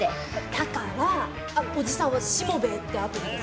だからあのおじさんは「しもべえ」ってアプリで。